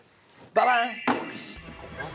ババーン！